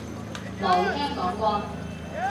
冇聽講過